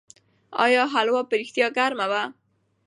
آیا هلوا په رښتیا ګرمه وه؟